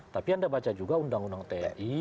tapi anda baca juga undang undang tni